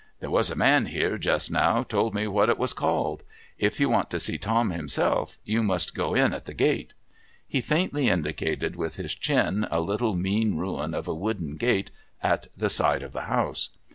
There was a man here just now, told me what it was called. If you want to see Tom himself, you must go in at that gate.' He faintly indicated with his chin a little mean ruin of a wooden gate at the side of the house.